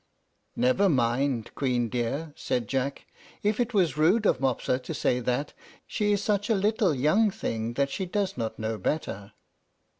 "Never mind, Queen dear," said Jack. "If it was rude of Mopsa to say that, she is such a little young thing that she does not know better."